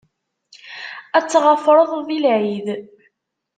Ad tt-ɣafṛeɣ di lɛid.